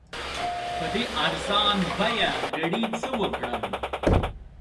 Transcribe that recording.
په دې ارزان بیه ګړي څه وکړم؟